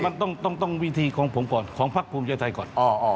มันต้องวิธีของผมก่อนของพักภูมิใจไทยก่อน